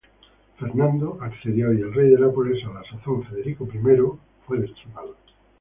Fernando accedió y el rey de Nápoles, a la sazón Federico I, fue destronado.